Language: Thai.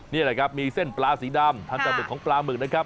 นี่แหละครับมีเส้นปลาสีดำทำปลาหมึกของปลาหมึกนะครับ